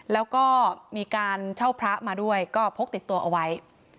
แล้วก็มีการเช่าพระมาด้วยก็พกติดตัวเอาไว้